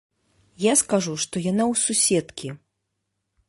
Я скажу, што яна ў суседкі.